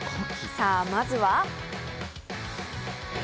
さあ、まずは。